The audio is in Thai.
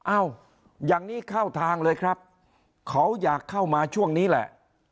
อย่างนี้เข้าทางเลยครับเขาอยากเข้ามาช่วงนี้แหละ